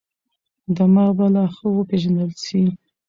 دماغ به لا ښه وپېژندل شي.